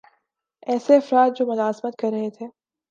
ایسے افراد جو ملازمت کررہے تھے